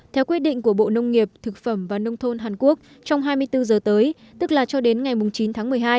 theo quyết định của bộ nông nghiệp thực phẩm và nông thôn hàn quốc trong hai mươi bốn giờ tới tức là cho đến ngày chín tháng một mươi hai